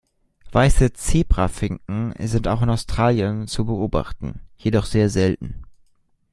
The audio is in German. Weiße Zebrafinken sind auch in Australien zu beobachten, jedoch sehr selten.